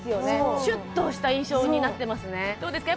シュッとした印象になってますねどうですか？